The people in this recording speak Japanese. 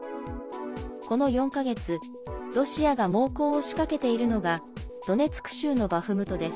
この４か月ロシアが猛攻を仕掛けているのがドネツク州のバフムトです。